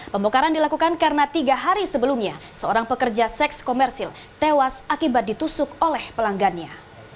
pembongkaran dilakukan karena tiga hari sebelumnya seorang pekerja seks komersil tewas akibat ditusuk oleh pelanggannya